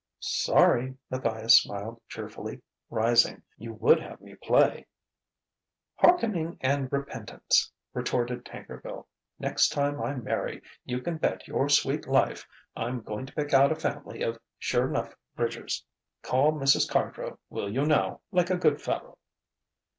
"Sorry!" Matthias smiled cheerfully, rising. "You would have me play." "Hearkening and repentance!" retorted Tankerville. "Next time I marry, you can bet your sweet life I'm going to pick out a family of sure 'nough bridgers.... Call Mrs. Cardrow, will you now, like a good fellow."